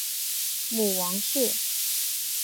母王氏。